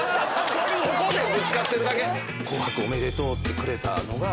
ここでぶつかってるだけ。